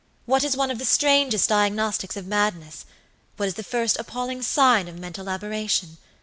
"What is one of the strangest diagnostics of madnesswhat is the first appalling sign of mental aberration?